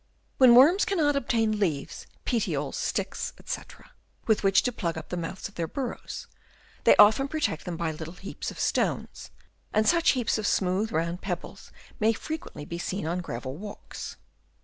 When worms cannot obtain leaves, petioles, sticks, &c, with which to plug up the mouths of their burrows, they often protect them by little heaps of stones; and such heaps of smooth rounded pebbles may frequently be seen on gravel walks.